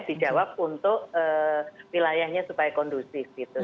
dijawab untuk wilayahnya supaya kondusif gitu